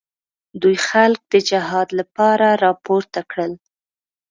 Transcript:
دوی خلک د جهاد لپاره راپورته کړل.